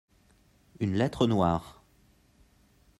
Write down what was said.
Une lettre noire.